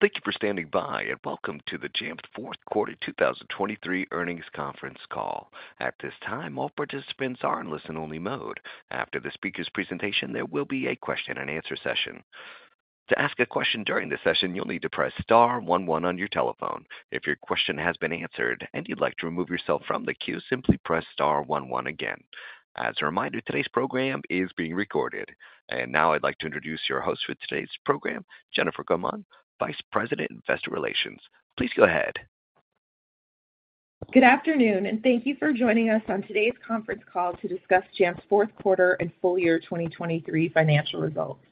Thank you for standing by, and welcome to the Jamf fourth quarter 2023 earnings conference call. At this time, all participants are in listen-only mode. After the speaker's presentation, there will be a question-and-answer session. To ask a question during the session, you'll need to press star one one on your telephone. If your question has been answered and you'd like to remove yourself from the queue, simply press star one one again. As a reminder, today's program is being recorded. Now I'd like to introduce your host for today's program, Jennifer Gaumond, Vice President, Investor Relations. Please go ahead. Good afternoon, and thank you for joining us on today's conference call to discuss Jamf's fourth quarter and full year 2023 financial results.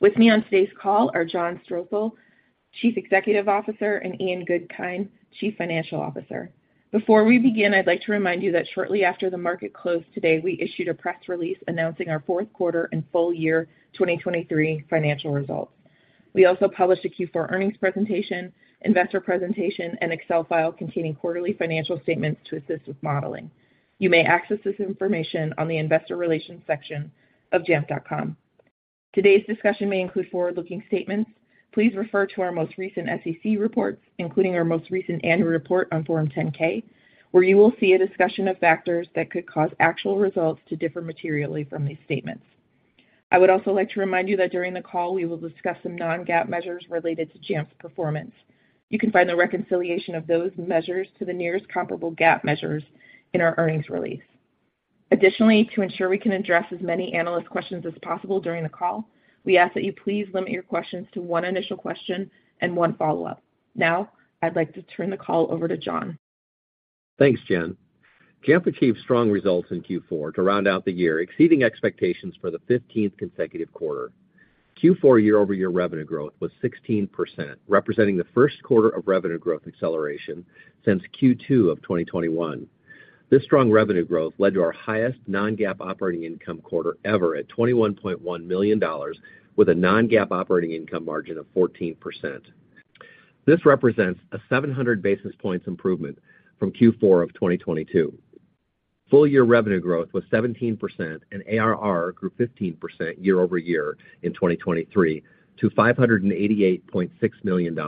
With me on today's call are John Strosahl, Chief Executive Officer, and Ian Goodkind, Chief Financial Officer. Before we begin, I'd like to remind you that shortly after the market closed today, we issued a press release announcing our fourth quarter and full year 2023 financial results. We also published a Q4 earnings presentation, investor presentation, and Excel file containing quarterly financial statements to assist with modeling. You may access this information on the investor relations section of jamf.com. Today's discussion may include forward-looking statements. Please refer to our most recent SEC reports, including our most recent annual report on Form 10-K, where you will see a discussion of factors that could cause actual results to differ materially from these statements. I would also like to remind you that during the call, we will discuss some non-GAAP measures related to Jamf's performance. You can find the reconciliation of those measures to the nearest comparable GAAP measures in our earnings release. Additionally, to ensure we can address as many analyst questions as possible during the call, we ask that you please limit your questions to one initial question and one follow-up. Now, I'd like to turn the call over to John. Thanks, Jen. Jamf achieved strong results in Q4 to round out the year, exceeding expectations for the 15th consecutive quarter. Q4 year-over-year revenue growth was 16%, representing the first quarter of revenue growth acceleration since Q2 of 2021. This strong revenue growth led to our highest non-GAAP operating income quarter ever at $21.1 million, with a non-GAAP operating income margin of 14%. This represents a 700 basis points improvement from Q4 of 2022. Full-year revenue growth was 17%, and ARR grew 15% year over year in 2023 to $588.6 million.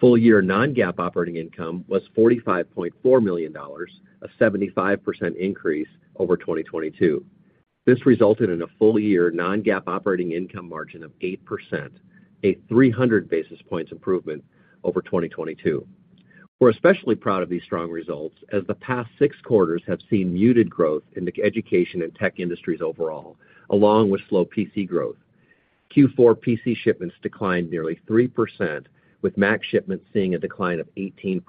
Full-year non-GAAP operating income was $45.4 million, a 75% increase over 2022. This resulted in a full-year non-GAAP operating income margin of 8%, a 300 basis points improvement over 2022. We're especially proud of these strong results, as the past six quarters have seen muted growth in the education and tech industries overall, along with slow PC growth. Q4 PC shipments declined nearly 3%, with Mac shipments seeing a decline of 18%.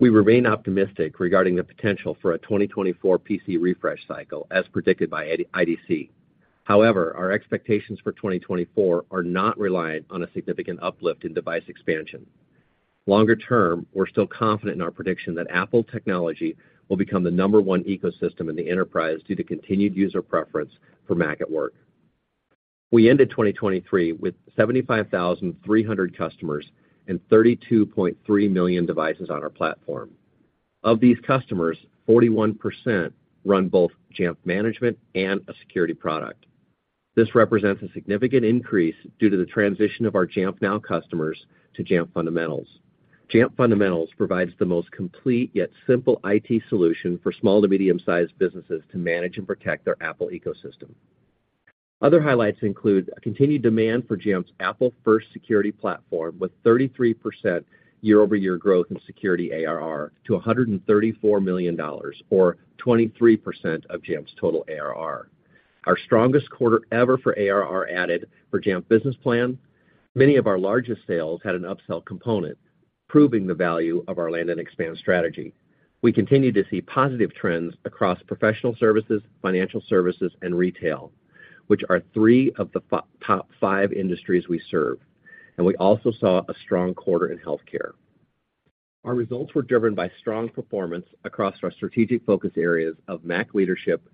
We remain optimistic regarding the potential for a 2024 PC refresh cycle, as predicted by IDC. However, our expectations for 2024 are not reliant on a significant uplift in device expansion. Longer term, we're still confident in our prediction that Apple technology will become the number one ecosystem in the enterprise due to continued user preference for Mac at work. We ended 2023 with 75,300 customers and 32.3 million devices on our platform. Of these customers, 41% run both Jamf management and a security product. This represents a significant increase due to the transition of our Jamf Now customers to Jamf Fundamentals. Jamf Fundamentals provides the most complete, yet simple, IT solution for small to medium-sized businesses to manage and protect their Apple ecosystem. Other highlights include a continued demand for Jamf's Apple-first security platform, with 33% year-over-year growth in security ARR to $134 million, or 23% of Jamf's total ARR. Our strongest quarter ever for ARR added for Jamf Business Plan. Many of our largest sales had an upsell component, proving the value of our land and expand strategy. We continue to see positive trends across professional services, financial services, and retail, which are three of the top five industries we serve, and we also saw a strong quarter in healthcare. Our results were driven by strong performance across our strategic focus areas of Mac leadership,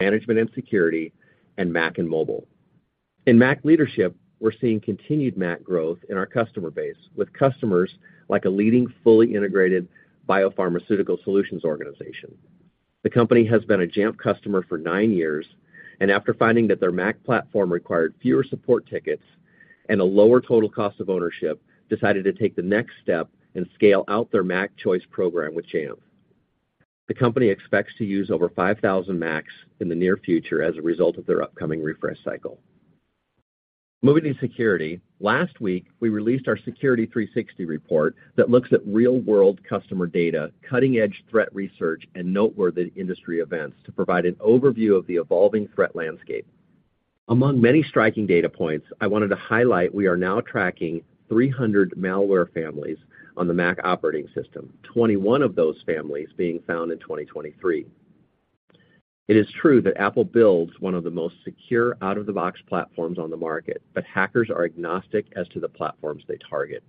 management and security, and Mac and mobile. In Mac leadership, we're seeing continued Mac growth in our customer base, with customers like a leading, fully integrated biopharmaceutical solutions organization. The company has been a Jamf customer for nine years, and after finding that their Mac platform required fewer support tickets and a lower total cost of ownership, decided to take the next step and scale out their Mac choice program with Jamf. The company expects to use over 5,000 Macs in the near future as a result of their upcoming refresh cycle. Moving to security, last week, we released our Security 360 report that looks at real-world customer data, cutting-edge threat research, and noteworthy industry events to provide an overview of the evolving threat landscape. Among many striking data points, I wanted to highlight we are now tracking 300 malware families on the Mac operating system, 21 of those families being found in 2023. It is true that Apple builds one of the most secure out-of-the-box platforms on the market, but hackers are agnostic as to the platforms they target.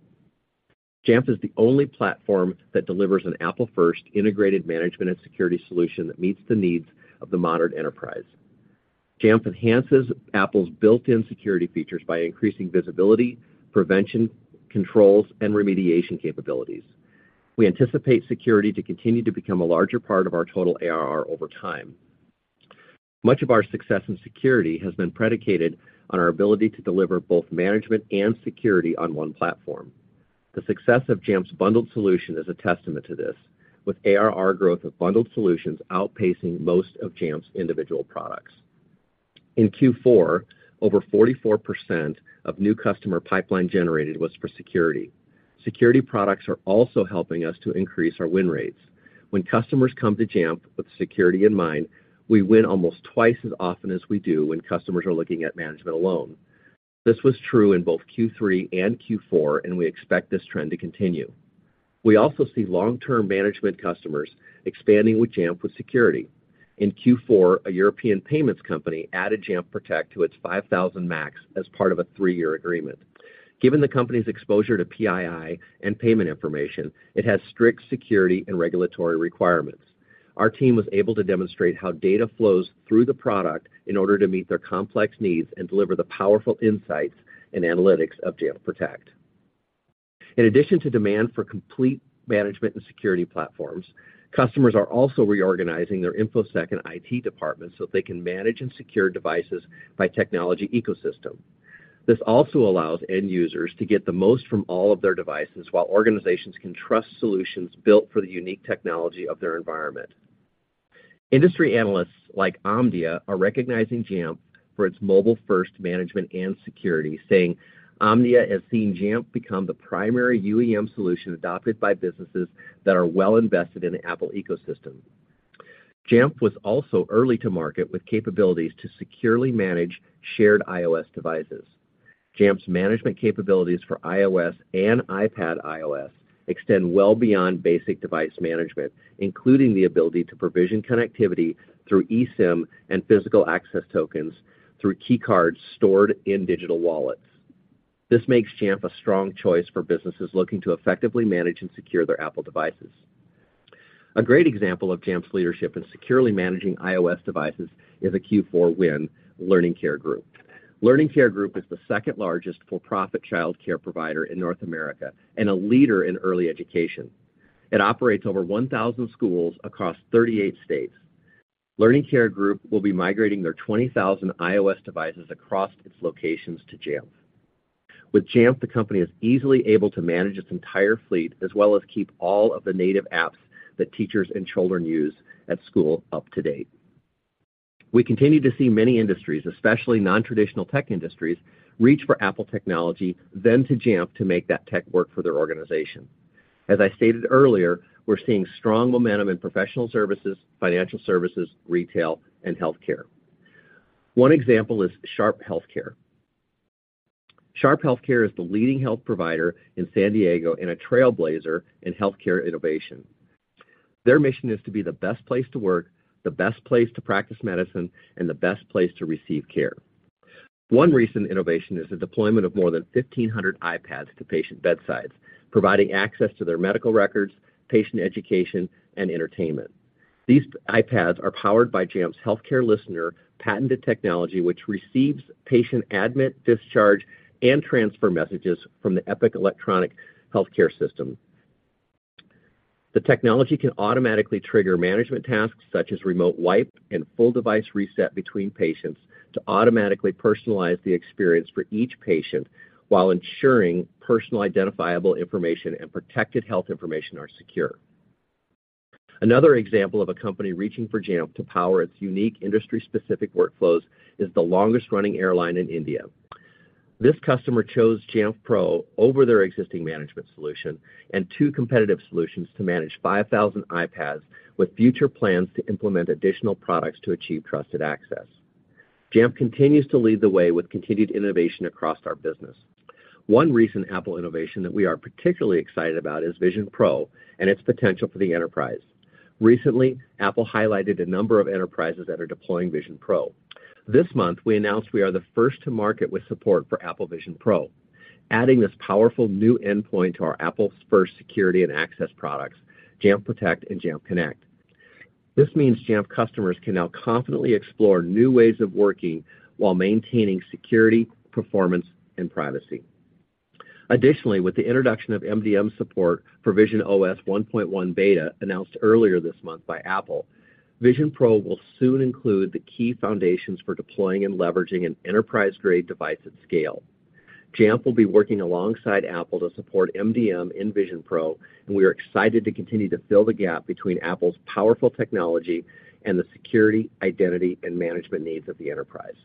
Jamf is the only platform that delivers an Apple-first integrated management and security solution that meets the needs of the modern enterprise. Jamf enhances Apple's built-in security features by increasing visibility, prevention, controls, and remediation capabilities. We anticipate security to continue to become a larger part of our total ARR over time.... Much of our success in security has been predicated on our ability to deliver both management and security on one platform. The success of Jamf's bundled solution is a testament to this, with ARR growth of bundled solutions outpacing most of Jamf's individual products. In Q4, over 44% of new customer pipeline generated was for security. Security products are also helping us to increase our win rates. When customers come to Jamf with security in mind, we win almost twice as often as we do when customers are looking at management alone. This was true in both Q3 and Q4, and we expect this trend to continue. We also see long-term management customers expanding with Jamf with security. In Q4, a European payments company added Jamf Protect to its 5,000 Macs as part of a three-year agreement. Given the company's exposure to PII and payment information, it has strict security and regulatory requirements. Our team was able to demonstrate how data flows through the product in order to meet their complex needs and deliver the powerful insights and analytics of Jamf Protect. In addition to demand for complete management and security platforms, customers are also reorganizing their infosec and IT departments, so they can manage and secure devices by technology ecosystem. This also allows end users to get the most from all of their devices, while organizations can trust solutions built for the unique technology of their environment. Industry analysts like Omdia are recognizing Jamf for its mobile-first management and security, saying, "Omdia has seen Jamf become the primary UEM solution adopted by businesses that are well invested in the Apple ecosystem." Jamf was also early to market with capabilities to securely manage shared iOS devices. Jamf's management capabilities for iOS and iPadOS extend well beyond basic device management, including the ability to provision connectivity through eSIM and physical access tokens through key cards stored in digital wallets. This makes Jamf a strong choice for businesses looking to effectively manage and secure their Apple devices. A great example of Jamf's leadership in securely managing iOS devices is a Q4 win, Learning Care Group. Learning Care Group is the second-largest for-profit childcare provider in North America, and a leader in early education. It operates over 1,000 schools across 38 states. Learning Care Group will be migrating their 20,000 iOS devices across its locations to Jamf. With Jamf, the company is easily able to manage its entire fleet, as well as keep all of the native apps that teachers and children use at school up to date. We continue to see many industries, especially nontraditional tech industries, reach for Apple technology, then to Jamf to make that tech work for their organization. As I stated earlier, we're seeing strong momentum in professional services, financial services, retail, and healthcare. One example is Sharp HealthCare. Sharp HealthCare is the leading health provider in San Diego and a trailblazer in healthcare innovation. Their mission is to be the best place to work, the best place to practice medicine, and the best place to receive care. One recent innovation is the deployment of more than 1,500 iPads to patient bedsides, providing access to their medical records, patient education, and entertainment. These iPads are powered by Jamf's Healthcare Listener patented technology, which receives patient admit, discharge, and transfer messages from the Epic electronic healthcare system. The technology can automatically trigger management tasks, such as remote wipe and full device reset between patients, to automatically personalize the experience for each patient, while ensuring personally identifiable information and protected health information are secure. Another example of a company reaching for Jamf to power its unique industry-specific workflows is the longest-running airline in India. This customer chose Jamf Pro over their existing management solution and two competitive solutions to manage 5,000 iPads, with future plans to implement additional products to achieve trusted access. Jamf continues to lead the way with continued innovation across our business. One recent Apple innovation that we are particularly excited about is Vision Pro and its potential for the enterprise. Recently, Apple highlighted a number of enterprises that are deploying Vision Pro. This month, we announced we are the first to market with support for Apple Vision Pro, adding this powerful new endpoint to our Apple-first security and access products, Jamf Protect and Jamf Connect. This means Jamf customers can now confidently explore new ways of working while maintaining security, performance, and privacy. Additionally, with the introduction of MDM support for visionOS 1.1 beta, announced earlier this month by Apple, Vision Pro will soon include the key foundations for deploying and leveraging an enterprise-grade device at scale. Jamf will be working alongside Apple to support MDM in Vision Pro, and we are excited to continue to fill the gap between Apple's powerful technology and the security, identity, and management needs of the enterprise.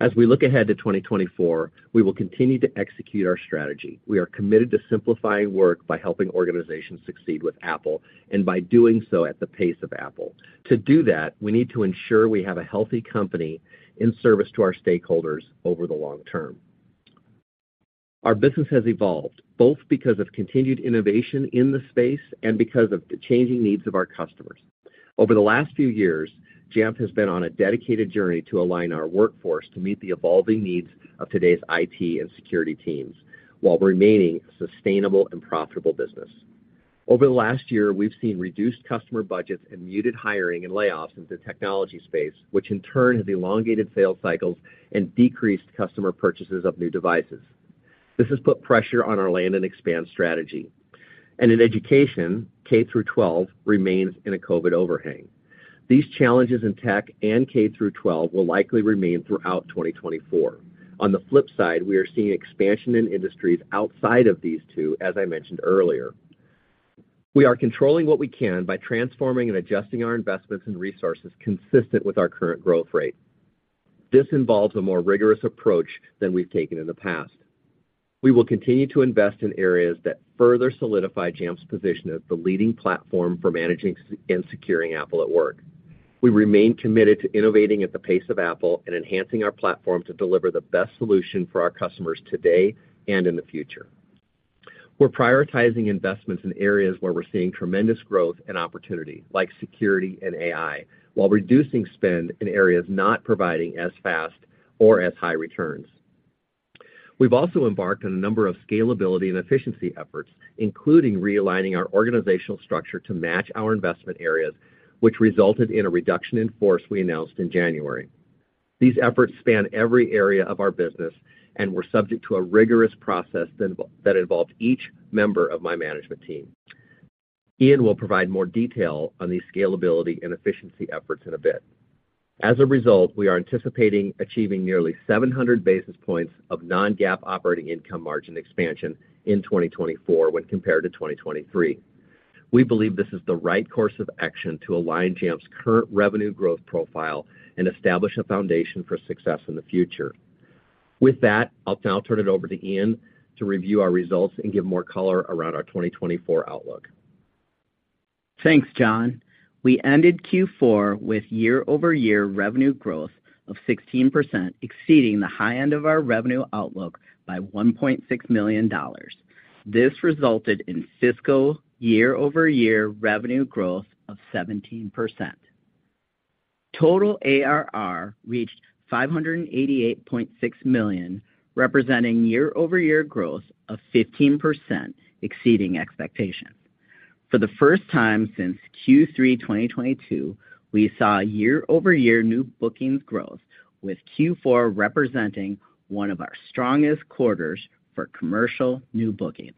As we look ahead to 2024, we will continue to execute our strategy. We are committed to simplifying work by helping organizations succeed with Apple, and by doing so at the pace of Apple. To do that, we need to ensure we have a healthy company in service to our stakeholders over the long term. Our business has evolved, both because of continued innovation in the space and because of the changing needs of our customers. Over the last few years, Jamf has been on a dedicated journey to align our workforce to meet the evolving needs of today's IT and security teams, while remaining a sustainable and profitable business. Over the last year, we've seen reduced customer budgets and muted hiring and layoffs in the technology space, which in turn, has elongated sales cycles and decreased customer purchases of new devices.... This has put pressure on our land and expand strategy. In education, K-12 remains in a COVID overhang. These challenges in tech and K-12 will likely remain throughout 2024. On the flip side, we are seeing expansion in industries outside of these two, as I mentioned earlier. We are controlling what we can by transforming and adjusting our investments and resources consistent with our current growth rate. This involves a more rigorous approach than we've taken in the past. We will continue to invest in areas that further solidify Jamf's position as the leading platform for managing and securing Apple at work. We remain committed to innovating at the pace of Apple and enhancing our platform to deliver the best solution for our customers today and in the future. We're prioritizing investments in areas where we're seeing tremendous growth and opportunity, like security and AI, while reducing spend in areas not providing as fast or as high returns. We've also embarked on a number of scalability and efficiency efforts, including realigning our organizational structure to match our investment areas, which resulted in a reduction in force we announced in January. These efforts span every area of our business and were subject to a rigorous process that involved each member of my management team. Ian will provide more detail on these scalability and efficiency efforts in a bit. As a result, we are anticipating achieving nearly 700 basis points of non-GAAP operating income margin expansion in 2024 when compared to 2023. We believe this is the right course of action to align Jamf's current revenue growth profile and establish a foundation for success in the future. With that, I'll now turn it over to Ian to review our results and give more color around our 2024 outlook. Thanks, John. We ended Q4 with year-over-year revenue growth of 16%, exceeding the high end of our revenue outlook by $1.6 million. This resulted in fiscal year-over-year revenue growth of 17%. Total ARR reached $588.6 million, representing year-over-year growth of 15%, exceeding expectations. For the first time since Q3 2022, we saw year-over-year new bookings growth, with Q4 representing one of our strongest quarters for commercial new bookings.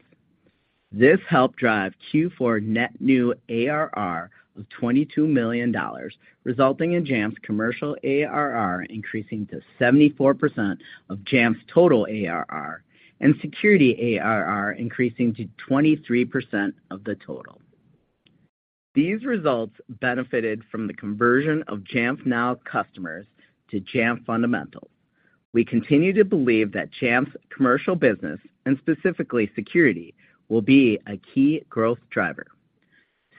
This helped drive Q4 net new ARR of $22 million, resulting in Jamf's commercial ARR increasing to 74% of Jamf's total ARR, and security ARR increasing to 23% of the total. These results benefited from the conversion of Jamf Now customers to Jamf Fundamentals. We continue to believe that Jamf's commercial business, and specifically security, will be a key growth driver.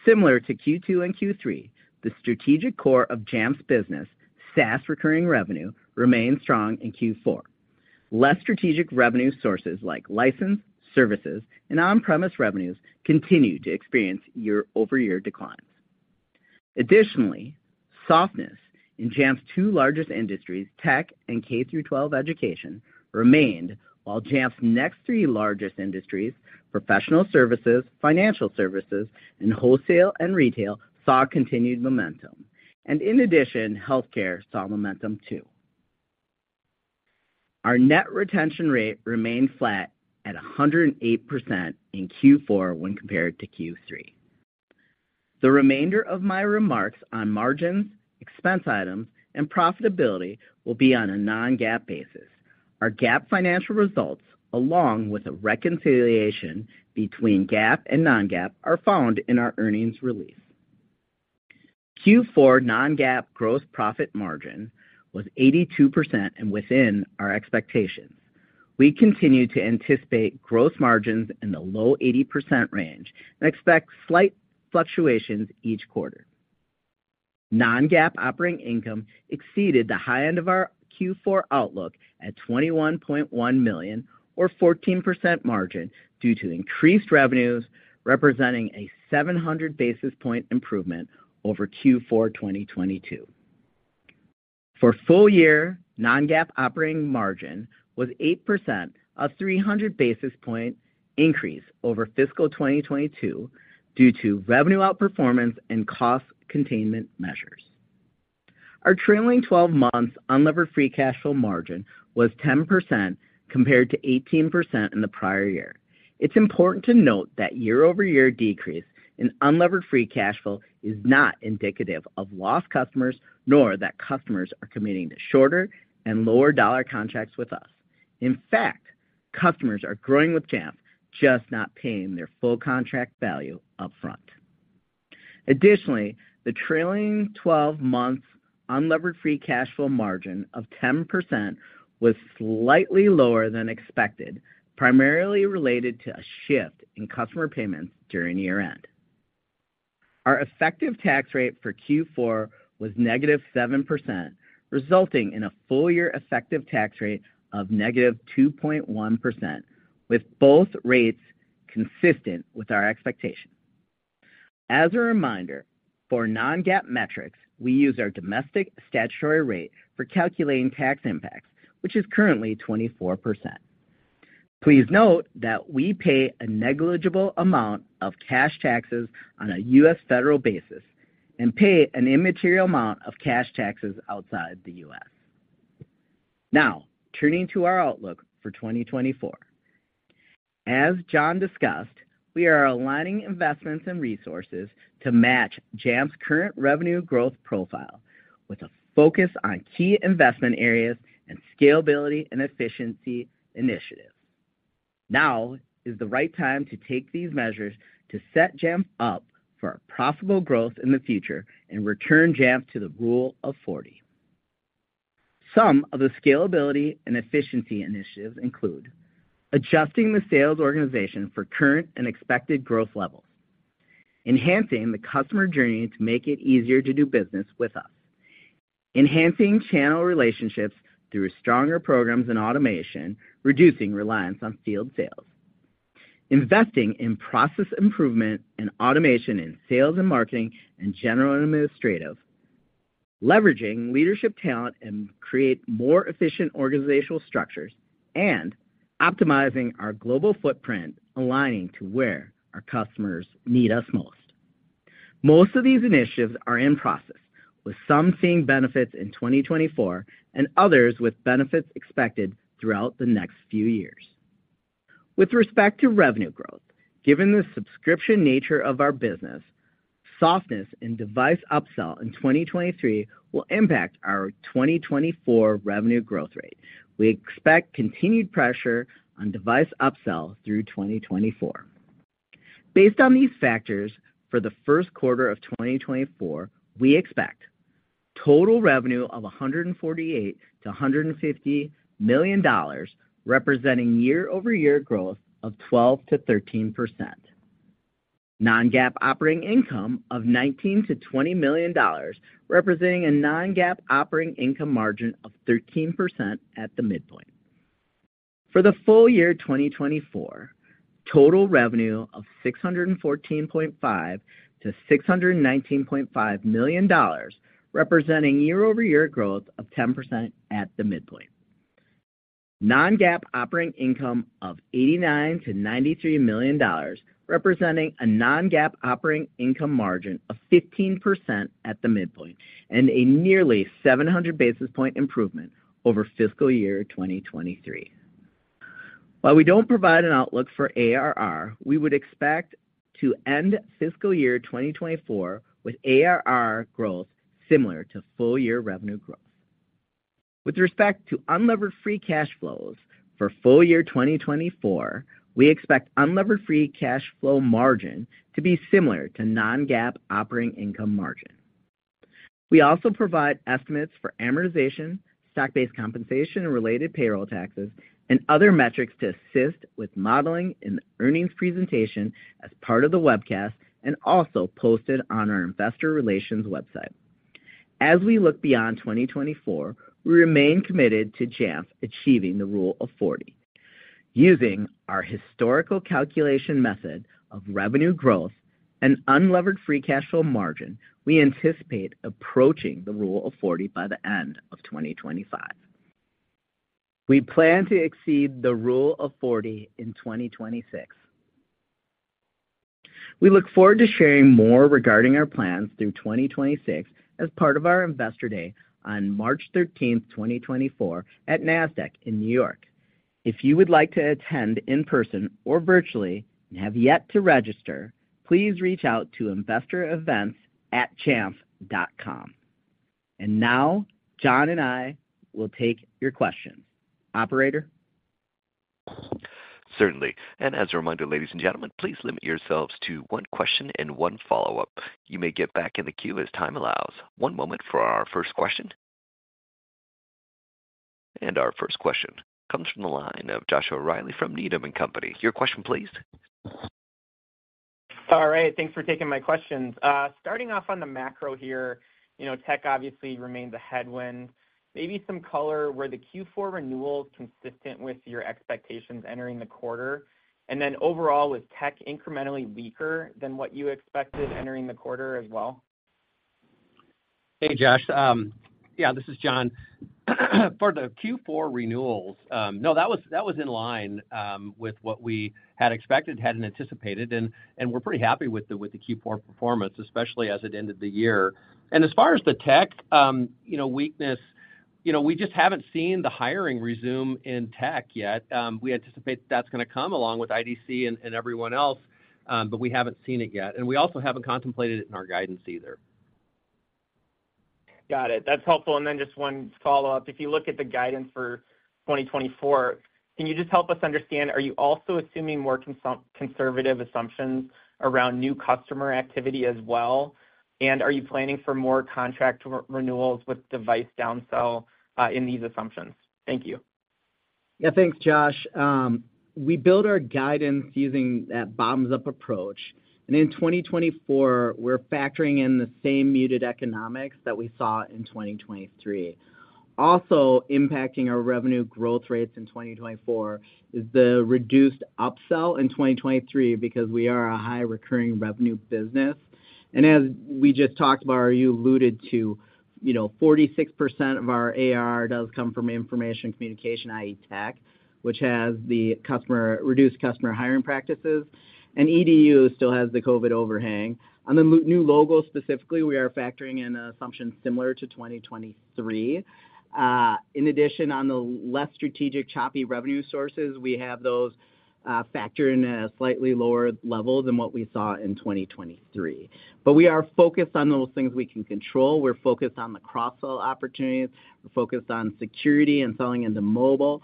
Similar to Q2 and Q3, the strategic core of Jamf's business, SaaS recurring revenue, remained strong in Q4. Less strategic revenue sources like license, services, and on-premise revenues continue to experience year-over-year declines. Additionally, softness in Jamf's two largest industries, tech and K through twelve education, remained, while Jamf's next three largest industries, professional services, financial services, and wholesale and retail, saw continued momentum. In addition, healthcare saw momentum too. Our net retention rate remained flat at 108% in Q4 when compared to Q3. The remainder of my remarks on margins, expense items, and profitability will be on a non-GAAP basis. Our GAAP financial results, along with a reconciliation between GAAP and non-GAAP, are found in our earnings release. Q4 non-GAAP gross profit margin was 82% and within our expectations. We continue to anticipate gross margins in the low 80% range and expect slight fluctuations each quarter. Non-GAAP operating income exceeded the high end of our Q4 outlook at $21.1 million or 14% margin, due to increased revenues representing a 700 basis point improvement over Q4 2022. For full-year, non-GAAP operating margin was 8%, a 300 basis point increase over fiscal 2022 due to revenue outperformance and cost containment measures. Our trailing-twelve-months unlevered free cash flow margin was 10%, compared to 18% in the prior year. It's important to note that year-over-year decrease in unlevered free cash flow is not indicative of lost customers, nor that customers are committing to shorter and lower dollar contracts with us. In fact, customers are growing with Jamf, just not paying their full contract value upfront. Additionally, the trailing-twelve-months unlevered free cash flow margin of 10% was slightly lower than expected, primarily related to a shift in customer payments during year-end. Our effective tax rate for Q4 was -7%, resulting in a full-year effective tax rate of -2.1%, with both rates consistent with our expectations. As a reminder, for non-GAAP metrics, we use our domestic statutory rate for calculating tax impacts, which is currently 24%. Please note that we pay a negligible amount of cash taxes on a U.S. federal basis... and paid an immaterial amount of cash taxes outside the U.S. Now, turning to our outlook for 2024. As John discussed, we are aligning investments and resources to match Jamf's current revenue growth profile, with a focus on key investment areas and scalability and efficiency initiatives. Now is the right time to take these measures to set Jamf up for a profitable growth in the future and return Jamf to the Rule of Forty. Some of the scalability and efficiency initiatives include: adjusting the sales organization for current and expected growth levels, enhancing the customer journey to make it easier to do business with us, enhancing channel relationships through stronger programs and automation, reducing reliance on field sales, investing in process improvement and automation in sales and marketing and general and administrative, leveraging leadership talent and create more efficient organizational structures, and optimizing our global footprint, aligning to where our customers need us most. Most of these initiatives are in process, with some seeing benefits in 2024 and others with benefits expected throughout the next few years. With respect to revenue growth, given the subscription nature of our business, softness in device upsell in 2023 will impact our 2024 revenue growth rate. We expect continued pressure on device upsell through 2024. Based on these factors, for the first quarter of 2024, we expect: total revenue of $148 million-$150 million, representing year-over-year growth of 12%-13%. Non-GAAP operating income of $19 million-$20 million, representing a non-GAAP operating income margin of 13% at the midpoint. For the full year 2024, total revenue of $614.5 million-$619.5 million, representing year-over-year growth of 10% at the midpoint. Non-GAAP operating income of $89 million-$93 million, representing a non-GAAP operating income margin of 15% at the midpoint, and a nearly 700 basis point improvement over fiscal year 2023. While we don't provide an outlook for ARR, we would expect to end fiscal year 2024 with ARR growth similar to full-year revenue growth. With respect to unlevered free cash flows, for full year 2024, we expect unlevered free cash flow margin to be similar to non-GAAP operating income margin. We also provide estimates for amortization, stock-based compensation, and related payroll taxes, and other metrics to assist with modeling in the earnings presentation as part of the webcast, and also posted on our investor relations website. As we look beyond 2024, we remain committed to Jamf achieving the Rule of Forty. Using our historical calculation method of revenue growth and unlevered free cash flow margin, we anticipate approaching the rule of forty by the end of 2025. We plan to exceed the rule of forty in 2026. We look forward to sharing more regarding our plans through 2026 as part of our Investor Day on March 13th, 2024, at Nasdaq in New York. If you would like to attend in person or virtually and have yet to register, please reach out to investorevents@jamf.com. And now John and I will take your questions. Operator? Certainly. As a reminder, ladies and gentlemen, please limit yourselves to one question and one follow-up. You may get back in the queue as time allows. One moment for our first question. Our first question comes from the line of Joshua Riley from Needham and Company. Your question, please. All right, thanks for taking my questions. Starting off on the macro here, you know, tech obviously remains a headwind. Maybe some color, were the Q4 renewals consistent with your expectations entering the quarter? And then overall, was tech incrementally weaker than what you expected entering the quarter as well? Hey, Josh. Yeah, this is John. For the Q4 renewals, no, that was, that was in line with what we had expected, had anticipated, and, and we're pretty happy with the, with the Q4 performance, especially as it ended the year. As far as the tech, you know, weakness, you know, we just haven't seen the hiring resume in tech yet. We anticipate that's gonna come, along with IDC and, and everyone else, but we haven't seen it yet. We also haven't contemplated it in our guidance either. Got it. That's helpful. And then just one follow-up. If you look at the guidance for 2024, can you just help us understand, are you also assuming more conservative assumptions around new customer activity as well? And are you planning for more contract renewals with device downsell in these assumptions? Thank you. Yeah, thanks, Josh. We build our guidance using a bottoms-up approach, and in 2024, we're factoring in the same muted economics that we saw in 2023... Also impacting our revenue growth rates in 2024 is the reduced upsell in 2023, because we are a high recurring revenue business. As we just talked about, or you alluded to, you know, 46% of our ARR does come from information communication, i.e., tech, which has customers' reduced hiring practices, and EDU still has the COVID overhang. On the new logos, specifically, we are factoring in an assumption similar to 2023. In addition, on the less strategic choppy revenue sources, we have those factored in a slightly lower level than what we saw in 2023. But we are focused on those things we can control. We're focused on the cross-sell opportunities. We're focused on security and selling into mobile.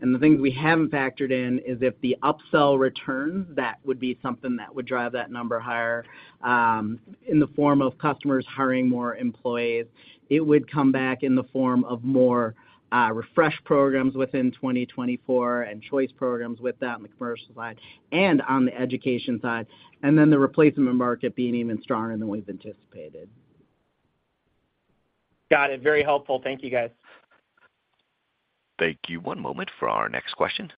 And the things we haven't factored in is if the upsell returns, that would be something that would drive that number higher, in the form of customers hiring more employees. It would come back in the form of more, refresh programs within 2024 and choice programs with that on the commercial side and on the education side, and then the replacement market being even stronger than we've anticipated. Got it. Very helpful. Thank you, guys. Thank you. One moment for our next question.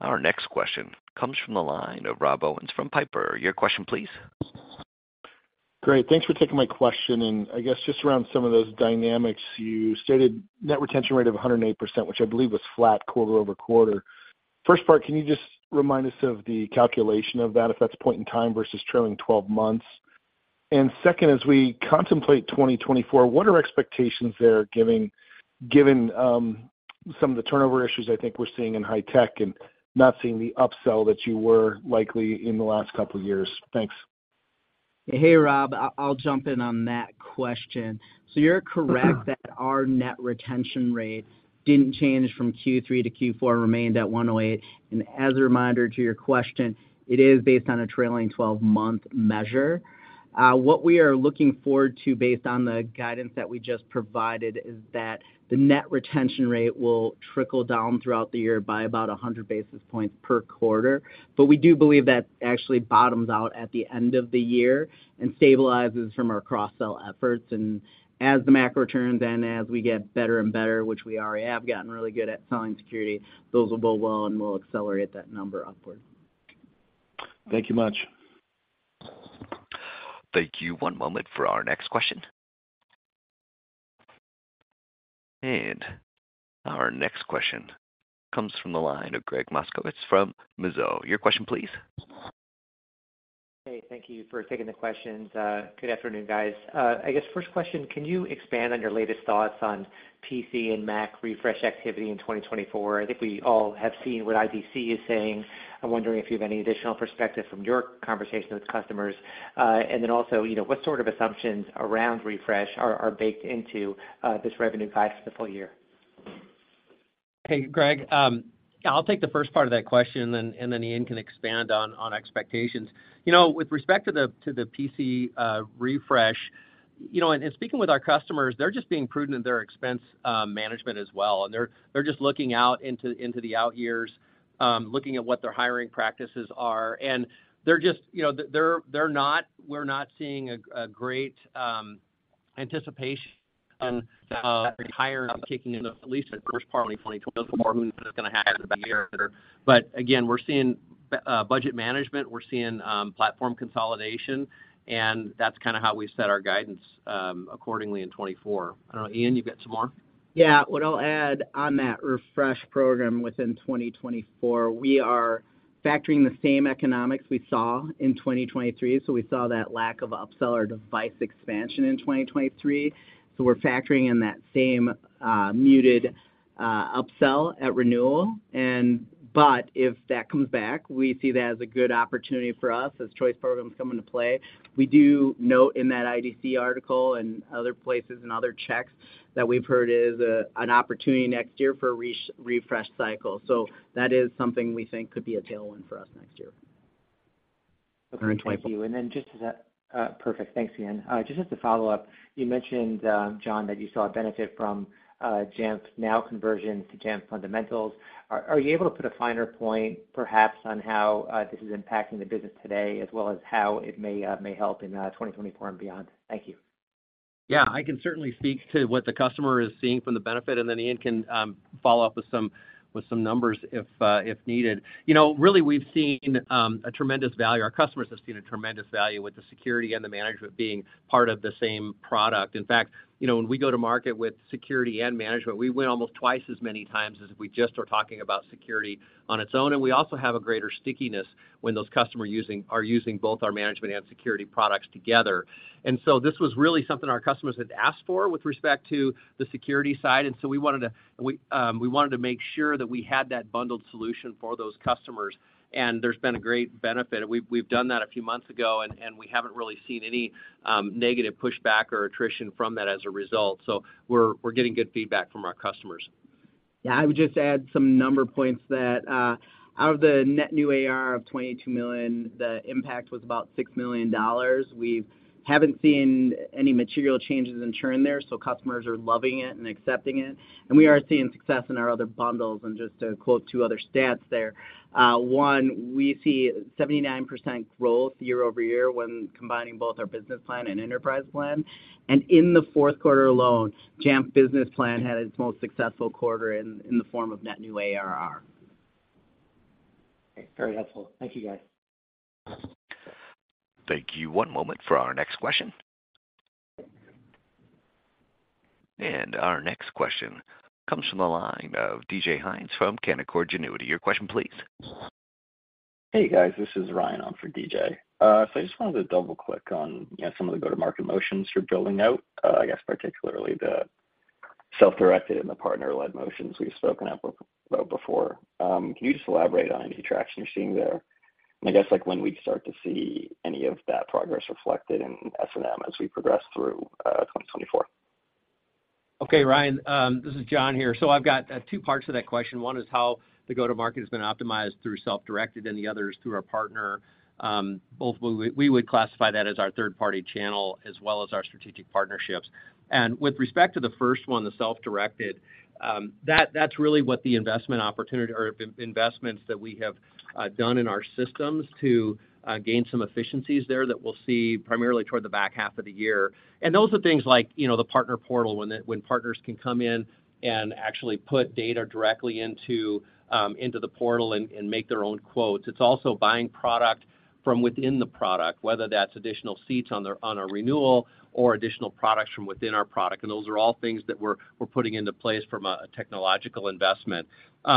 Our next question comes from the line of Rob Owens from Piper. Your question, please. Great. Thanks for taking my question, and I guess just around some of those dynamics, you stated net retention rate of 108%, which I believe was flat quarter-over-quarter. First part, can you just remind us of the calculation of that, if that's point in time versus trailing twelve months? And second, as we contemplate 2024, what are expectations there, given some of the turnover issues I think we're seeing in high tech and not seeing the upsell that you were likely in the last couple of years? Thanks. Hey, Rob. I'll jump in on that question. So you're correct that our net retention rate didn't change from Q3 to Q4, remained at 108%, and as a reminder to your question, it is based on a trailing 12-month measure. What we are looking forward to, based on the guidance that we just provided, is that the net retention rate will trickle down throughout the year by about 100 basis points per quarter. But we do believe that actually bottoms out at the end of the year and stabilizes from our cross-sell efforts. And as the macro returns and as we get better and better, which we already have gotten really good at selling security, those will go well, and we'll accelerate that number upward. Thank you much. Thank you. One moment for our next question. Our next question comes from the line of Greg Moskowitz from Mizuho. Your question, please. Hey, thank you for taking the questions. Good afternoon, guys. I guess first question, can you expand on your latest thoughts on PC and Mac refresh activity in 2024? I think we all have seen what IDC is saying. I'm wondering if you have any additional perspective from your conversation with customers. And then also, you know, what sort of assumptions around refresh are baked into this revenue guide for the full year? Hey, Greg, I'll take the first part of that question, and then Ian can expand on expectations. You know, with respect to the PC refresh, you know, and speaking with our customers, they're just being prudent in their expense management as well, and they're just looking out into the out years, looking at what their hiring practices are, and they're just, you know, they're not, we're not seeing a great anticipation hiring kicking in, at least in the first part of 2024. Who knows what's gonna happen in the back of the year? But again, we're seeing budget management, we're seeing platform consolidation, and that's kinda how we set our guidance accordingly in 2024. I don't know, Ian, you got some more? Yeah. What I'll add on that refresh program within 2024, we are factoring the same economics we saw in 2023. So we saw that lack of upsell or device expansion in 2023. So we're factoring in that same muted upsell at renewal. And but if that comes back, we see that as a good opportunity for us as choice programs come into play. We do note in that IDC article and other places and other checks, that we've heard is an opportunity next year for a refresh cycle. So that is something we think could be a tailwind for us next year. Thank you. And then just to that... Perfect. Thanks, Ian. Just as a follow-up, you mentioned, John, that you saw a benefit from Jamf Now conversion to Jamf Fundamentals. Are you able to put a finer point, perhaps, on how this is impacting the business today, as well as how it may help in 2024 and beyond? Thank you. Yeah, I can certainly speak to what the customer is seeing from the benefit, and then Ian can follow up with some numbers, if needed. You know, really, we've seen a tremendous value. Our customers have seen a tremendous value with the security and the management being part of the same product. In fact, you know, when we go to market with security and management, we win almost twice as many times as if we just are talking about security on its own. And we also have a greater stickiness when those customers are using both our management and security products together. This was really something our customers had asked for with respect to the security side, and so we wanted to make sure that we had that bundled solution for those customers, and there's been a great benefit. We've done that a few months ago, and we haven't really seen any negative pushback or attrition from that as a result. So we're getting good feedback from our customers. Yeah, I would just add some number points that, out of the net new ARR of $22 million, the impact was about $6 million. We haven't seen any material changes in churn there, so customers are loving it and accepting it, and we are seeing success in our other bundles. And just to quote two other stats there, one, we see 79% growth year-over-year when combining both our Jamf Business Plan and Jamf Enterprise Plan. And in the fourth quarter alone, Jamf Business Plan had its most successful quarter in the form of net new ARR. Okay, very helpful. Thank you, guys. Thank you. One moment for our next question. Our next question comes from the line of DJ Hines from Canaccord Genuity. Your question, please. Hey, guys, this is Ryan on for DJ. So I just wanted to double-click on, you know, some of the go-to-market motions you're building out, I guess particularly the self-directed and the partner-led motions we've spoken up about before. Can you just elaborate on any traction you're seeing there? And I guess, like, when we'd start to see any of that progress reflected in S&M as we progress through 2024. Okay, Ryan, this is John here. So I've got two parts to that question. One is how the go-to-market has been optimized through self-directed, and the other is through our partner. Both we would classify that as our third-party channel, as well as our strategic partnerships. And with respect to the first one, the self-directed, that that's really what the investment opportunity or investments that we have done in our systems to gain some efficiencies there that we'll see primarily toward the back half of the year. And those are things like, you know, the partner portal, when partners can come in and actually put data directly into the portal and make their own quotes. It's also buying product from within the product, whether that's additional seats on a renewal or additional products from within our product. And those are all things that we're putting into place from a technological investment.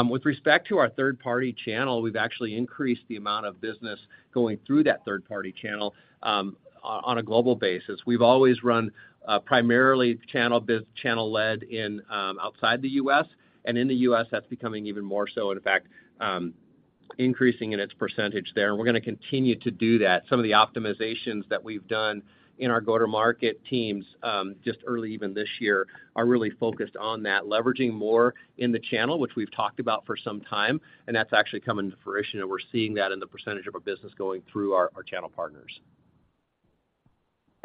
With respect to our third-party channel, we've actually increased the amount of business going through that third-party channel on a global basis. We've always run primarily channel-led outside the US, and in the US, that's becoming even more so. In fact, increasing in its percentage there, and we're gonna continue to do that. Some of the optimizations that we've done in our go-to-market teams, just early, even this year, are really focused on that, leveraging more in the channel, which we've talked about for some time, and that's actually coming to fruition, and we're seeing that in the percentage of our business going through our channel partners.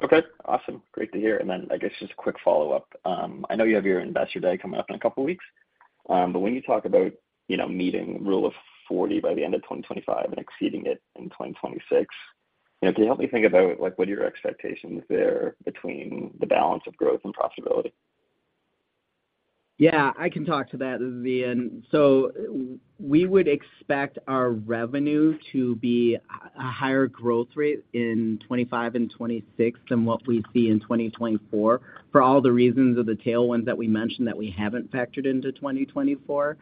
Okay, awesome. Great to hear. And then, I guess just a quick follow-up. I know you have your Investor Day coming up in a couple of weeks, but when you talk about, you know, meeting Rule of 40 by the end of 2025 and exceeding it in 2026, you know, can you help me think about, like, what are your expectations there between the balance of growth and profitability? Yeah, I can talk to that, this is Ian. So we would expect our revenue to be a higher growth rate in 2025 and 2026 than what we see in 2024, for all the reasons of the tailwinds that we mentioned that we haven't factored into 2024.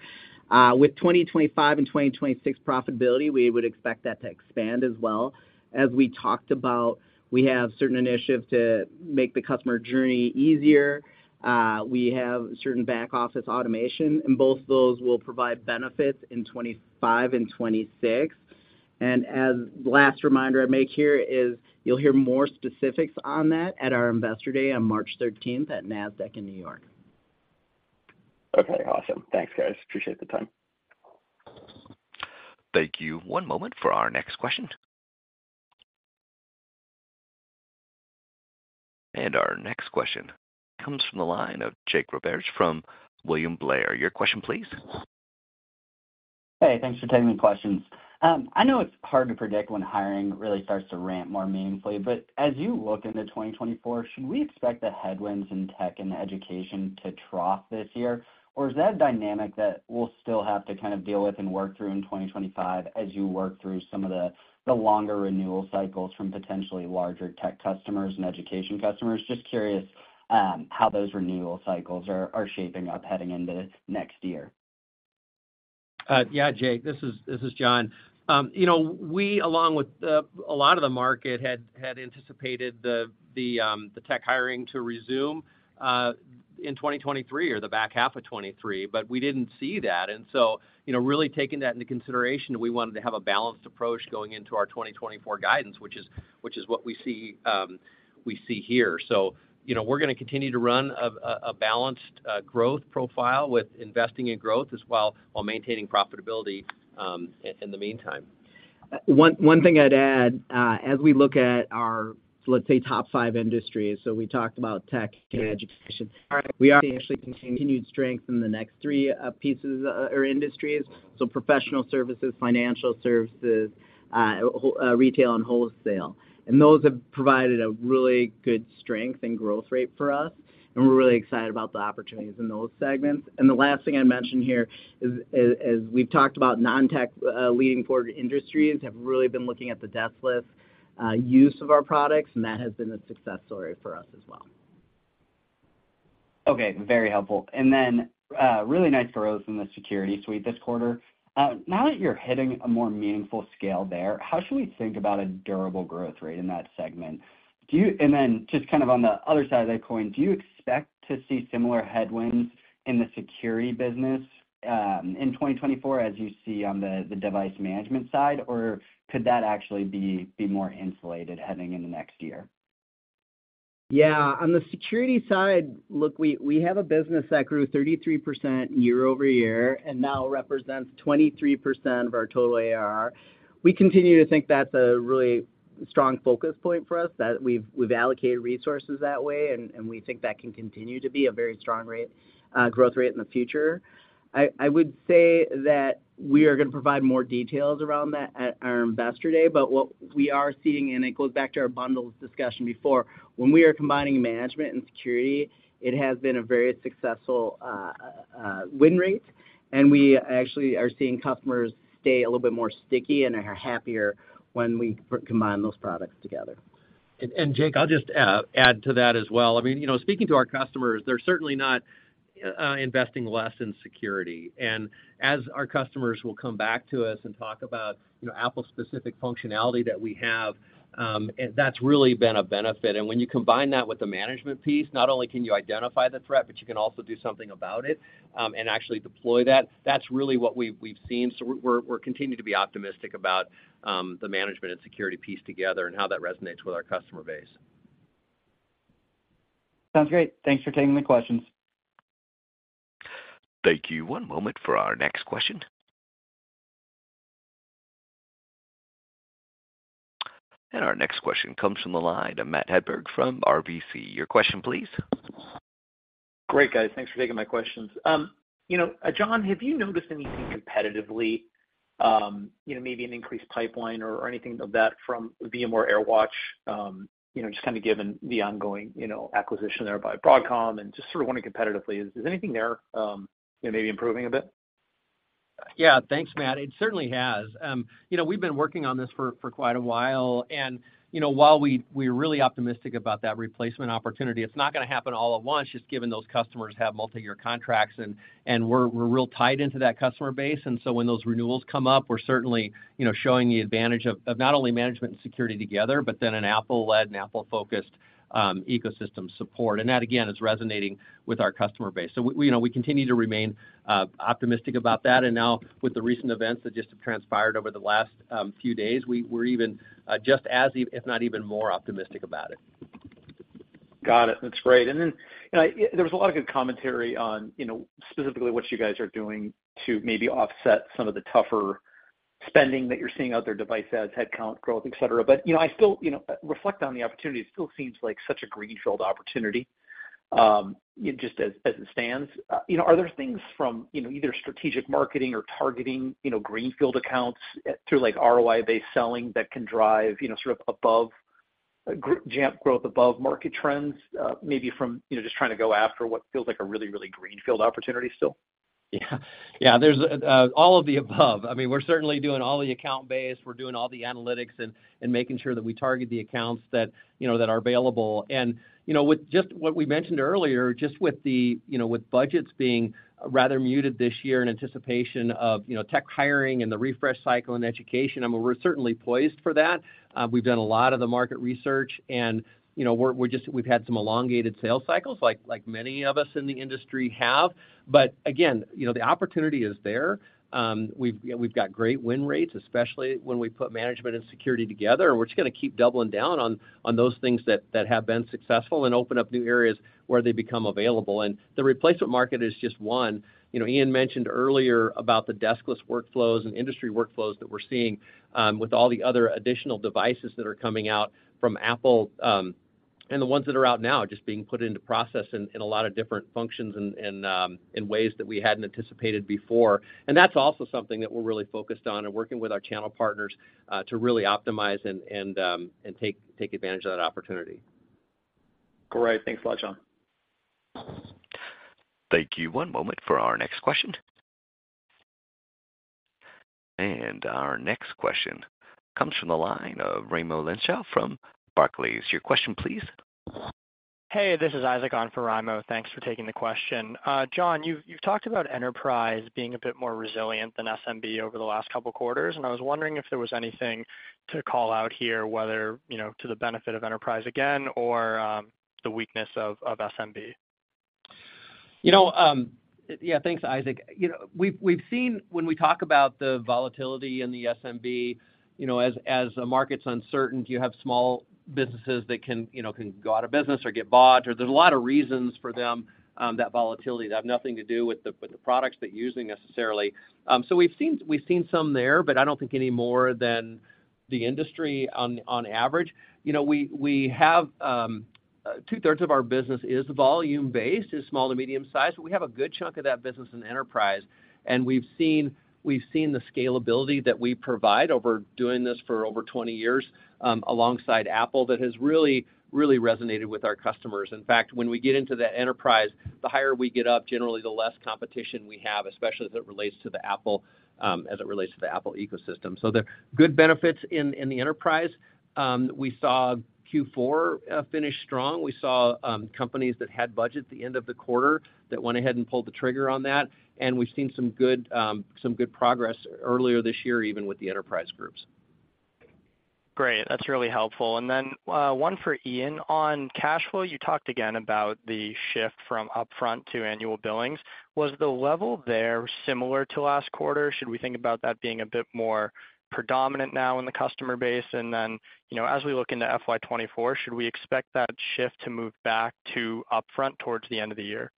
With 2025 and 2026 profitability, we would expect that to expand as well. As we talked about, we have certain initiatives to make the customer journey easier. We have certain back-office automation, and both of those will provide benefits in 2025 and 2026. And the last reminder I make here is, you'll hear more specifics on that at our Investor Day on March 13 at Nasdaq in New York. Okay, awesome. Thanks, guys. Appreciate the time. Thank you. One moment for our next question. Our next question comes from the line of Jake Roberge from William Blair. Your question, please. Hey, thanks for taking the questions. I know it's hard to predict when hiring really starts to ramp more meaningfully, but as you look into 2024, should we expect the headwinds in tech and education to trough this year? Or is that a dynamic that we'll still have to kind of deal with and work through in 2025 as you work through some of the longer renewal cycles from potentially larger tech customers and education customers? Just curious, how those renewal cycles are shaping up heading into next year. Yeah, Jake, this is John. You know, we, along with a lot of the market, had anticipated the tech hiring to resume in 2023 or the back half of 2023, but we didn't see that. And so, you know, really taking that into consideration, we wanted to have a balanced approach going into our 2024 guidance, which is what we see here. So, you know, we're gonna continue to run a balanced growth profile with investing in growth as well, while maintaining profitability in the meantime. One thing I'd add, as we look at our, let's say, top five industries, so we talked about tech and education. We are actually continued strength in the next three, pieces or industries, so professional services, financial services, retail and wholesale. And those have provided a really good strength and growth rate for us, and we're really excited about the opportunities in those segments. And the last thing I'd mention here is as we've talked about non-tech, leading forward industries, have really been looking at the desktop use of our products, and that has been a success story for us as well. Okay, very helpful. And then, really nice growth in the security suite this quarter. Now that you're hitting a more meaningful scale there, how should we think about a durable growth rate in that segment? Do you-- And then just kind of on the other side of that coin, do you expect to see similar headwinds in the security business, in 2024, as you see on the, the device management side, or could that actually be more insulated heading in the next year? Yeah. On the security side, look, we have a business that grew 33% year-over-year and now represents 23% of our total ARR. We continue to think that's a really strong focus point for us, that we've allocated resources that way, and we think that can continue to be a very strong rate, growth rate in the future. I would say that we are gonna provide more details around that at our Investor Day, but what we are seeing, and it goes back to our bundles discussion before, when we are combining management and security, it has been a very successful, win rate, and we actually are seeing customers stay a little bit more sticky and are happier when we combine those products together.... And Jake, I'll just add to that as well. I mean, you know, speaking to our customers, they're certainly not investing less in security. And as our customers will come back to us and talk about, you know, Apple-specific functionality that we have, and that's really been a benefit. And when you combine that with the management piece, not only can you identify the threat, but you can also do something about it, and actually deploy that. That's really what we've seen. So we're continuing to be optimistic about the management and security piece together and how that resonates with our customer base. Sounds great. Thanks for taking the questions. Thank you. One moment for our next question. Our next question comes from the line of Matt Hedberg from RBC. Your question, please. Great, guys. Thanks for taking my questions. You know, John, have you noticed anything competitively, you know, maybe an increased pipeline or anything of that from VMware AirWatch? You know, just kind of given the ongoing, you know, acquisition there by Broadcom, and just sort of wanting competitively. Is anything there, you know, maybe improving a bit? Yeah. Thanks, Matt. It certainly has. You know, we've been working on this for quite a while, and you know, while we're really optimistic about that replacement opportunity, it's not gonna happen all at once, just given those customers have multi-year contracts, and we're real tied into that customer base. And so when those renewals come up, we're certainly showing the advantage of not only management and security together, but then an Apple-led and Apple-focused ecosystem support. And that, again, is resonating with our customer base. So we you know we continue to remain optimistic about that. And now with the recent events that just have transpired over the last few days, we're even just as, if not even more optimistic about it. Got it. That's great. And then, you know, there was a lot of good commentary on, you know, specifically what you guys are doing to maybe offset some of the tougher spending that you're seeing out there, device ads, headcount growth, et cetera. But, you know, I still, you know, reflect on the opportunity. It still seems like such a greenfield opportunity, just as it stands. You know, are there things from, you know, either strategic marketing or targeting, you know, greenfield accounts, through, like, ROI-based selling that can drive, you know, sort of above Jamf growth above market trends, maybe from, you know, just trying to go after what feels like a really, really greenfield opportunity still? Yeah. Yeah, there's all of the above. I mean, we're certainly doing all the account base. We're doing all the analytics and making sure that we target the accounts that, you know, that are available. And, you know, with just what we mentioned earlier, just with the, you know, with budgets being rather muted this year in anticipation of, you know, tech hiring and the refresh cycle and education, I mean, we're certainly poised for that. We've done a lot of the market research and, you know, we're just - we've had some elongated sales cycles, like many of us in the industry have. But again, you know, the opportunity is there. We've, you know, we've got great win rates, especially when we put management and security together. We're just gonna keep doubling down on those things that have been successful and open up new areas where they become available. The replacement market is just one. You know, Ian mentioned earlier about the deskless workflows and industry workflows that we're seeing with all the other additional devices that are coming out from Apple and the ones that are out now, just being put into process in a lot of different functions and in ways that we hadn't anticipated before. That's also something that we're really focused on and working with our channel partners to really optimize and take advantage of that opportunity. Great. Thanks a lot, John. Thank you. One moment for our next question. Our next question comes from the line of Raimo Lenschow from Barclays. Your question, please. Hey, this is Isaac on for Raimo. Thanks for taking the question. John, you've, you've talked about enterprise being a bit more resilient than SMB over the last couple of quarters, and I was wondering if there was anything to call out here, whether, you know, to the benefit of enterprise again or the weakness of SMB. You know, yeah, thanks, Isaac. You know, we've, we've seen when we talk about the volatility in the SMB, you know, as, as a market's uncertain, you have small businesses that can, you know, can go out of business or get bought, or there's a lot of reasons for them, that volatility to have nothing to do with the, with the products they're using, necessarily. So we've seen, we've seen some there, but I don't think any more than the industry on, on average. You know, we, we have, two-thirds of our business is volume-based, is small to medium-sized, but we have a good chunk of that business in enterprise. And we've seen, we've seen the scalability that we provide over doing this for over 20 years, alongside Apple, that has really, really resonated with our customers. In fact, when we get into that enterprise, the higher we get up, generally, the less competition we have, especially as it relates to the Apple ecosystem. So there are good benefits in the enterprise. We saw Q4 finish strong. We saw companies that had budget at the end of the quarter that went ahead and pulled the trigger on that, and we've seen some good progress earlier this year, even with the enterprise groups. Great. That's really helpful. And then, one for Ian. On cash flow, you talked again about the shift from upfront to annual billings. Was the level there similar to last quarter? Should we think about that being a bit more predominant now in the customer base? And then, you know, as we look into FY 2024, should we expect that shift to move back to upfront towards the end of the year?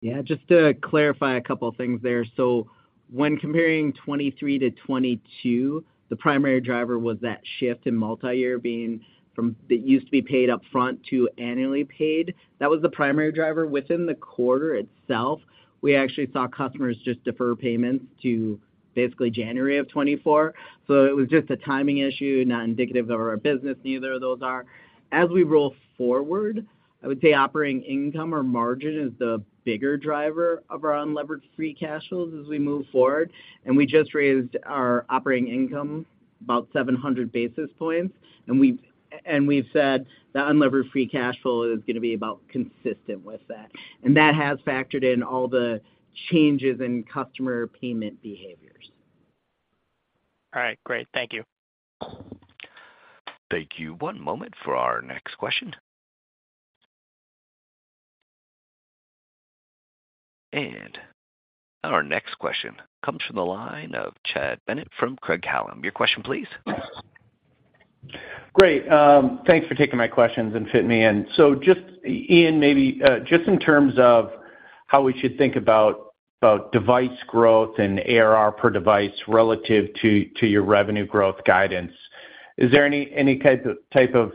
Yeah, just to clarify a couple of things there. So when comparing 2023 to 2022, the primary driver was that shift in multi-year being from... It used to be paid upfront to annually paid. That was the primary driver. Within the quarter itself, we actually saw customers just defer payments to basically January of 2024. So it was just a timing issue, not indicative of our business, neither of those are.... As we roll forward, I would say operating income or margin is the bigger driver of our unlevered free cash flows as we move forward, and we just raised our operating income about 700 basis points. And we've, and we've said that unlevered free cash flow is gonna be about consistent with that, and that has factored in all the changes in customer payment behaviors. All right, great. Thank you. Thank you. One moment for our next question. Our next question comes from the line of Chad Bennett from Craig-Hallum. Your question, please. Great, thanks for taking my questions and fitting me in. So just, Ian, maybe, just in terms of how we should think about, about device growth and ARR per device relative to, to your revenue growth guidance, is there any, any type of, type of,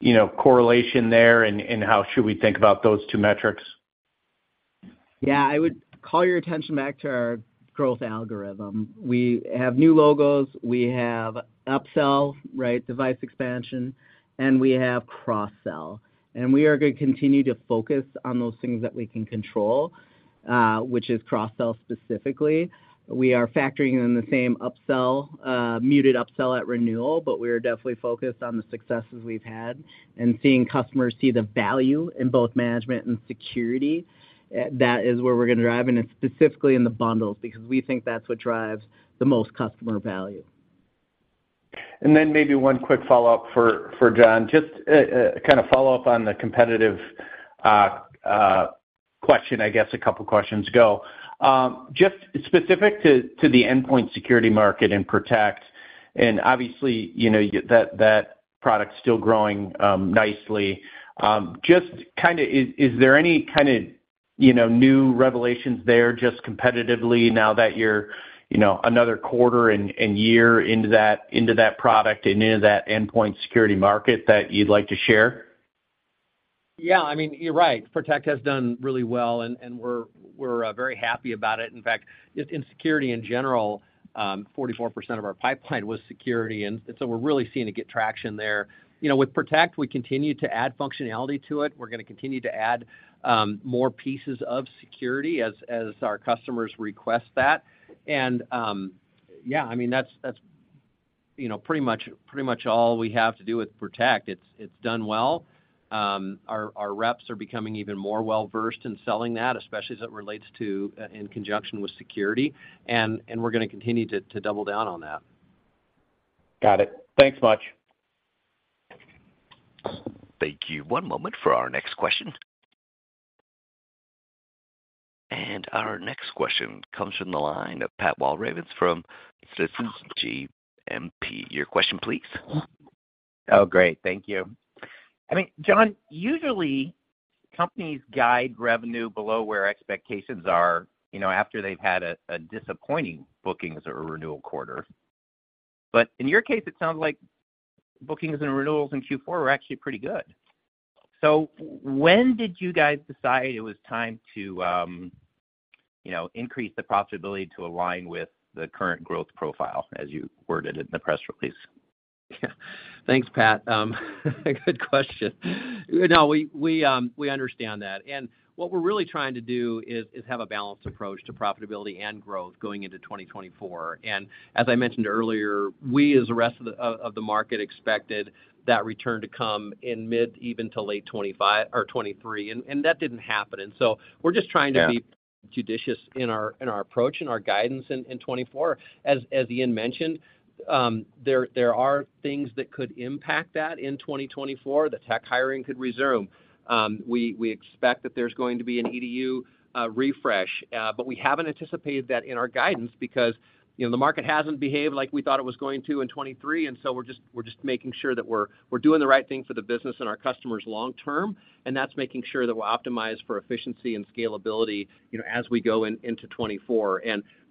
you know, correlation there, and, and how should we think about those two metrics? Yeah, I would call your attention back to our growth algorithm. We have new logos, we have upsell, right, device expansion, and we have cross-sell. And we are gonna continue to focus on those things that we can control, which is cross-sell specifically. We are factoring in the same upsell, muted upsell at renewal, but we are definitely focused on the successes we've had and seeing customers see the value in both management and security. That is where we're gonna drive, and it's specifically in the bundles, because we think that's what drives the most customer value. And then maybe one quick follow-up for John. Just kind of follow up on the competitive question, I guess, a couple questions ago. Just specific to the endpoint security market and Protect, and obviously, you know, that product's still growing nicely. Just kind of, is there any kind of, you know, new revelations there, just competitively now that you're, you know, another quarter and year into that product and into that endpoint security market that you'd like to share? Yeah, I mean, you're right. Protect has done really well, and we're very happy about it. In fact, just in security in general, 44% of our pipeline was security, and so we're really seeing it get traction there. You know, with Protect, we continue to add functionality to it. We're gonna continue to add more pieces of security as our customers request that. And yeah, I mean, that's you know, pretty much all we have to do with Protect. It's done well. Our reps are becoming even more well-versed in selling that, especially as it relates to in conjunction with security, and we're gonna continue to double down on that. Got it. Thanks much. Thank you. One moment for our next question. Our next question comes from the line of Pat Walravens from JMP Securities. Your question, please. Oh, great. Thank you. I mean, John, usually companies guide revenue below where expectations are, you know, after they've had a disappointing bookings or a renewal quarter. But in your case, it sounds like bookings and renewals in Q4 were actually pretty good. So when did you guys decide it was time to, you know, increase the profitability to align with the current growth profile, as you worded it in the press release? Yeah. Thanks, Pat. Good question. No, we, we understand that. And what we're really trying to do is have a balanced approach to profitability and growth going into 2024. And as I mentioned earlier, we, as the rest of the market, expected that return to come in mid, even to late 25—or 23, and that didn't happen. And so we're just trying to be- Yeah ...judicious in our approach and our guidance in 2024. As Ian mentioned, there are things that could impact that in 2024. The tech hiring could resume. We expect that there's going to be an EDU refresh, but we haven't anticipated that in our guidance because, you know, the market hasn't behaved like we thought it was going to in 2023, and so we're just making sure that we're doing the right thing for the business and our customers long-term, and that's making sure that we're optimized for efficiency and scalability, you know, as we go into 2024.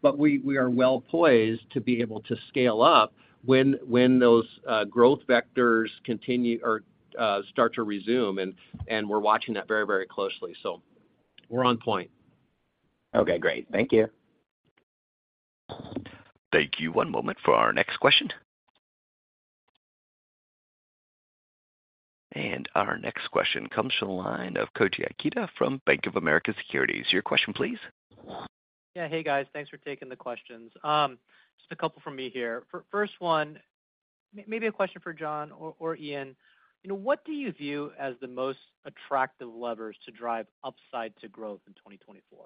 But we are well poised to be able to scale up when those growth vectors continue or start to resume, and we're watching that very closely. We're on point. Okay, great. Thank you. Thank you. One moment for our next question. And our next question comes from the line of Koji Ikeda from Bank of America Securities. Your question, please. Yeah. Hey, guys. Thanks for taking the questions. Just a couple from me here. First one, maybe a question for John or Ian. You know, what do you view as the most attractive levers to drive upside to growth in 2024?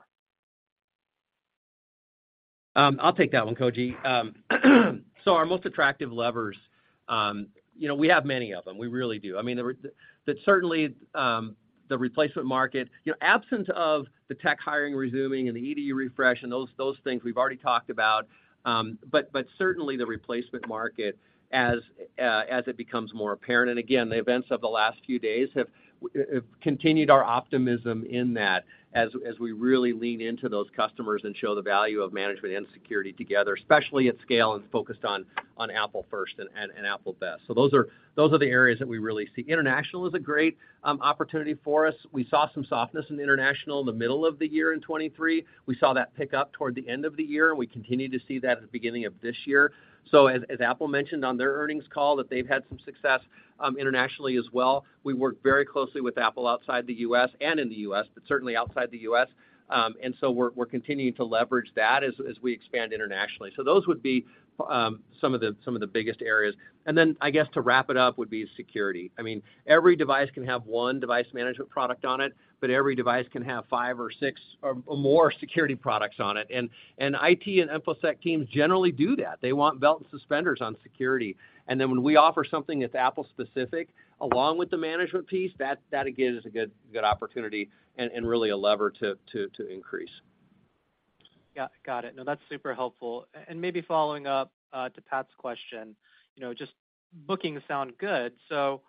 I'll take that one, Koji. So our most attractive levers, you know, we have many of them. We really do. I mean, Certainly, the replacement market, you know, absent of the tech hiring resuming and the EDU refresh and those things we've already talked about, but certainly the replacement market as it becomes more apparent, and again, the events of the last few days have continued our optimism in that as we really lean into those customers and show the value of management and security together, especially at scale, and focused on Apple first and Apple best. So those are the areas that we really see. International is a great opportunity for us. We saw some softness in international in the middle of the year in 2023. We saw that pick up toward the end of the year, and we continue to see that at the beginning of this year. So as Apple mentioned on their earnings call, that they've had some success internationally as well. We work very closely with Apple outside the U.S. and in the U.S., but certainly outside the U.S. And so we're continuing to leverage that as we expand internationally. So those would be some of the biggest areas. And then I guess to wrap it up would be security. I mean, every device can have one device management product on it, but every device can have five or six or more security products on it. And IT and InfoSec teams generally do that. They want belt and suspenders on security. And then when we offer something that's Apple specific, along with the management piece, that gives us a good opportunity and really a lever to increase. Yeah, got it. No, that's super helpful. And maybe following up to Pat's question, you know, just bookings sound good, so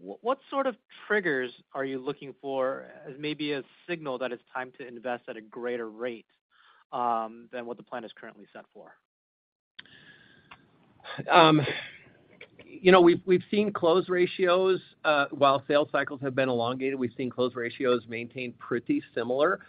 what sort of triggers are you looking for, maybe a signal that it's time to invest at a greater rate than what the plan is currently set for? You know, we've seen close ratios while sales cycles have been elongated, we've seen close ratios maintain pretty similar.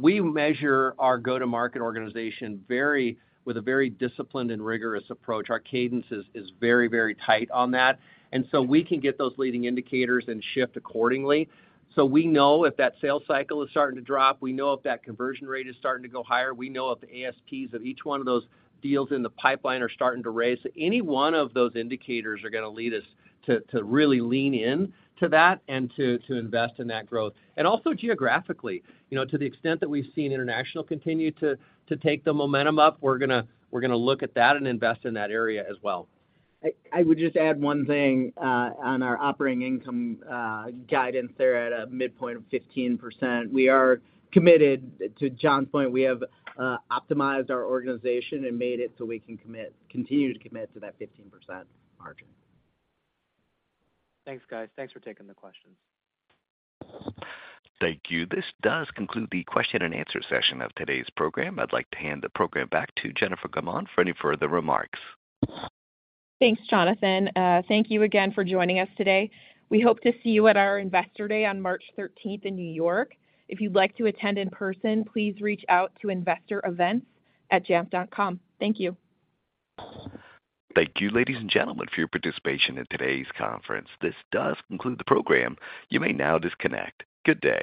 We measure our go-to-market organization very with a very disciplined and rigorous approach. Our cadence is very, very tight on that, and so we can get those leading indicators and shift accordingly. So we know if that sales cycle is starting to drop, we know if that conversion rate is starting to go higher, we know if the ASPs of each one of those deals in the pipeline are starting to raise. Any one of those indicators are gonna lead us to really lean in to that and to invest in that growth. Also geographically, you know, to the extent that we've seen international continue to take the momentum up, we're gonna look at that and invest in that area as well. I would just add one thing on our operating income guidance there at a midpoint of 15%. We are committed, to John's point, we have optimized our organization and made it so we can continue to commit to that 15% margin. Thanks, guys. Thanks for taking the questions. Thank you. This does conclude the question and answer session of today's program. I'd like to hand the program back to Jennifer Gaumond for any further remarks. Thanks, Jonathan. Thank you again for joining us today. We hope to see you at our Investor Day on March 13th in New York. If you'd like to attend in person, please reach out to investorevents@jamf.com. Thank you. Thank you, ladies and gentlemen, for your participation in today's conference. This does conclude the program. You may now disconnect. Good day.